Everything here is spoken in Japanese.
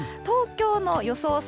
東京の予想